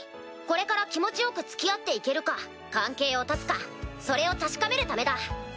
これから気持ちよく付き合って行けるか関係を断つかそれを確かめるためだ。